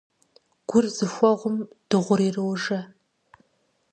Гур зыхуэгъум дыгъур ирожэ.